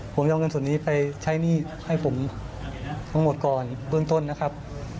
ผมจะเอาเงินส่วนนี้ไปใช้หนี้ให้ผมทั้งหมดก่อนเบื้องต้นนะครับ